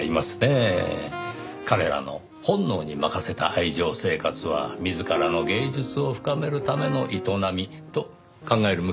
彼らの本能に任せた愛情生活は自らの芸術を深めるための営みと考える向きもありますねぇ。